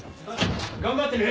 頑張ってね！